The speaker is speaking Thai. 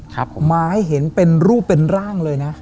มาให้เห็นเป็นรูปเป็นร่างเลยนะ